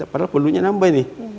padahal perlunya nambah nih